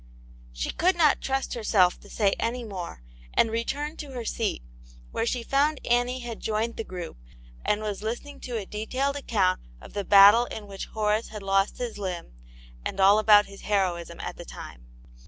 She could not trust herself to say any more, and returned to her seat, where she found Annie had joined the group, and was VisUtvvtv^ lo ;v. ^^\al^^^ 74 Atint Janets Hero. account of the battle in which Horace had lost his limb, and all about his heroism at the time.